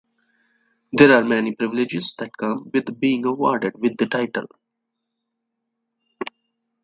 There are many privileges that come with being awarded with the title.